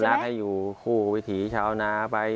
อนุลักษณ์ให้อยู่คู่วิถีชาวนาไป